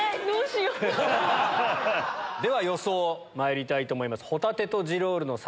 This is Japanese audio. では予想まいりたいと思います。